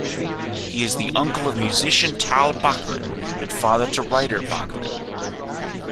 He is the uncle of musician Tal Bachman and father to Ryder Bachman.